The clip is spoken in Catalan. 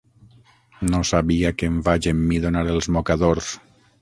No sabia que em vaig emmidonar els mocadors.